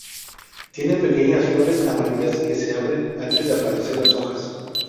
Tiene pequeñas flores amarillas que se abren antes de aparecer las hojas.